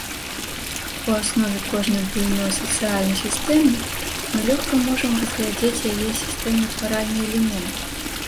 У аснове кожнай буйной сацыяльнай сістэмы мы лёгка можам разгледзець яе сістэмаўтваральны элемент.